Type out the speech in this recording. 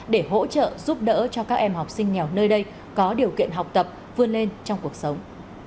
để hỗ trợ giúp đỡ cho các em học sinh nghèo nơi đây có điều kiện học tập vươn lên trong cuộc sống